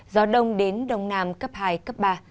gió đông đến đông nam cấp hai cấp ba